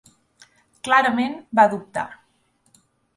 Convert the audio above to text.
Clarament va dubtar.